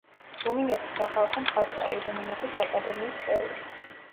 რუმინეთის სახალხო მხატვარი, რუმინეთის აკადემიის წევრი.